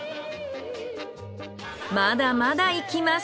まだまだいきます。